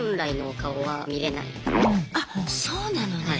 あっそうなのね！